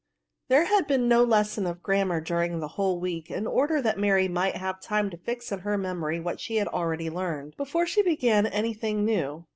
Thsrs had been no lesson of grammar duT' ing a whole week, in order that Maiy m* ' 50 vsass. have time .to . fix in her. memoiy what she had already learned, before she began any thing new.